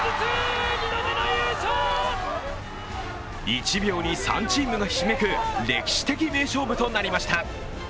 １秒に３チームがひしめく歴史的名勝負となりました。